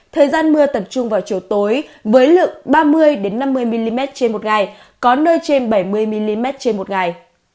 thời gian mưa tập trung vào chiều tối với lượng ba mươi năm mươi mm trên một ngày có nơi trên bảy mươi mm trên một ngày